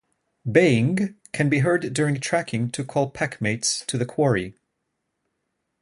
Baying - can be heard during tracking to call pack-mates to the quarry.